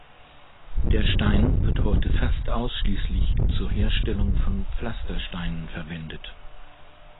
Der Stein wird heute fast ausschließlich zur Herstellung von Pflastersteinen verwendet.